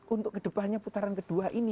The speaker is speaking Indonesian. untuk kedepannya putaran kedua ini